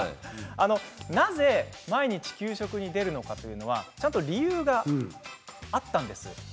なぜ毎日給食に出るのかというのはちゃんと理由があったんです。